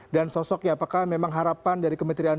dan sosoknya apakah memang harapan dari kementerian